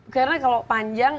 karena kalau panjang